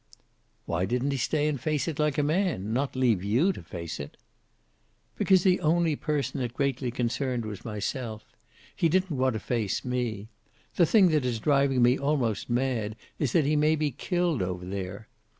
"Why didn't he stay and face it like a man? Not leave you to face it." "Because the only person it greatly concerned was myself. He didn't want to face me. The thing that is driving me almost mad is that he may be killed over there.